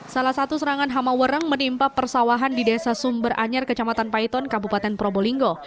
salah satu serangan hamawereng menimpa persawahan di desa sumber anyar kecamatan paiton kabupaten probolinggo